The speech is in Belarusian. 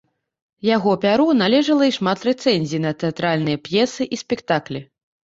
Яго пяру належала і шмат рэцэнзій на тэатральныя п'есы і спектаклі.